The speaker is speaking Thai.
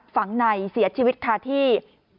ฝังในเสียชีวิตคาที่